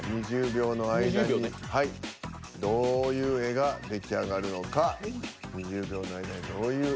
２０秒の間にどういう絵が出来上がるのか。